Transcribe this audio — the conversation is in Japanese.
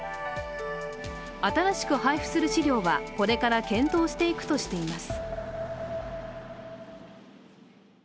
新しく配布する資料はこれから検討していくとしています。